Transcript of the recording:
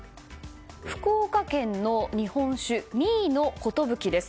福岡県の日本酒、三井の寿です。